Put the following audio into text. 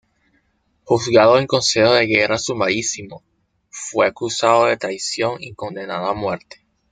Juzgado en consejo de guerra sumarísimo, fue acusado de traición y condenado a muerte.